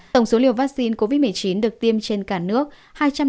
tổng số liều vaccine covid một mươi chín được tiêm trên cả nước